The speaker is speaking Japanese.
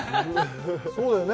そうだよね。